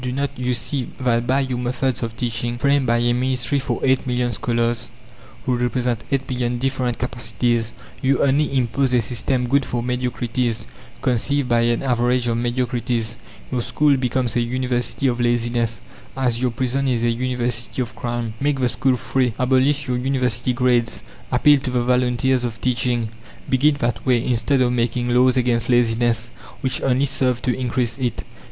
Do not you see that by your methods of teaching, framed by a Ministry for eight million scholars, who represent eight million different capacities, you only impose a system good for mediocrities, conceived by an average of mediocrities? Your school becomes a University of laziness, as your prison is a University of crime. Make the school free, abolish your University grades, appeal to the volunteers of teaching; begin that way, instead of making laws against laziness which only serve to increase it.